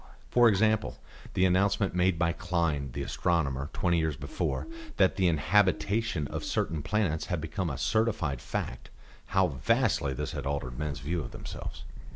For example, the announcement made by Klein, the astronomer, twenty years before, that the inhabitation of certain planets had become a certified fact how vastly this had altered men's views of themselves.